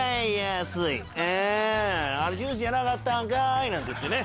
「ジュースじゃなかったんかい」なんて言ってね。